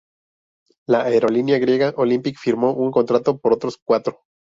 La aerolínea griega Olympic firmó un contrato por otros cuatro.